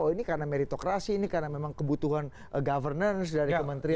oh ini karena meritokrasi ini karena memang kebutuhan governance dari kementerian